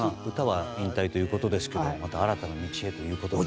歌は引退ということですけどまた新たな道へということで。